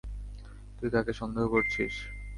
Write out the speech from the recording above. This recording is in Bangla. তুই কাকে সন্দেহ করছিস?